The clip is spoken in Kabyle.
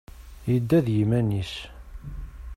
Yedda d yiman-is.